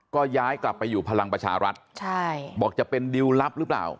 ก็ย้ายกลับไปอยู่พลังประชารัฐใช่บอกจะเป็นดิวลลับหรือเปล่า